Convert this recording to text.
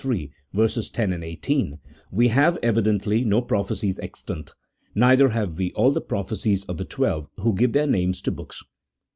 10, 18, we have, evidently, no prophecies extant ; neither have we all the prophecies of the twelve who give their names to books.